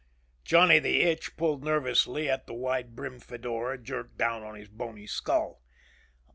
Johnny the Itch pulled nervously at the wide brimmed fedora jerked down on his bony skull.